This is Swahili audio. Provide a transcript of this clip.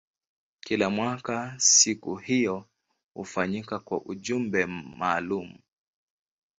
Kila mwaka siku hiyo hufanyika kwa ujumbe maalumu.